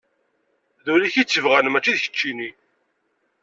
D ul-ik i tt-ibɣan mačči d keččini.